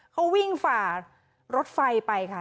เขาวิ่งฝ่ารถไฟไปค่ะ